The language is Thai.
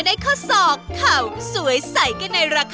โอ้โหโอ้โห